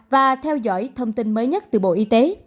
và theo dõi thông tin mới nhất từ bộ y tế